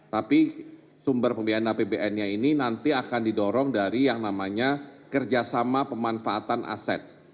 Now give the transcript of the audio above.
tapi sumber pembiayaan apbn nya ini nanti akan didorong dari yang namanya kerjasama pemanfaatan aset